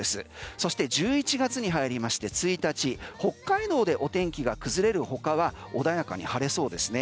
そして１１月に入りまして１日、北海道でお天気が崩れるほかは穏やかに晴れそうですね。